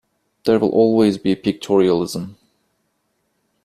There will always be pictorialism.